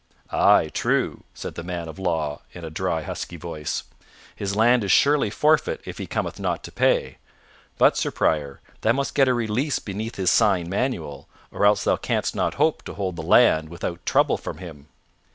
"Ay, true," said the man of law in a dry, husky voice, "his land is surely forfeit if he cometh not to pay; but, Sir Prior, thou must get a release beneath his sign manual, or else thou canst not hope to hold the land without trouble from him."